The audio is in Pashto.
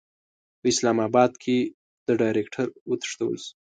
په اسلاماباد کې د ډایرکټر وتښتول شو.